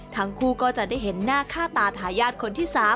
ทั้งคู่ก็จะได้เห็นหน้าค่าตาทายาทคนที่๓